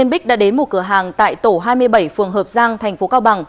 bích đã đến một cửa hàng tại tổ hai mươi bảy phường hợp giang tp cao bằng